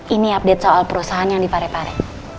ini update soal perusahaan yang dipare pare